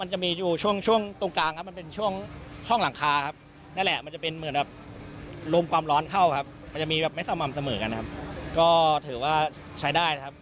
อาจจะเกิดตะคิวได้ครับมันมีแบบ